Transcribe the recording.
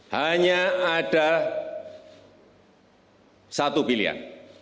hanya ada satu pilihan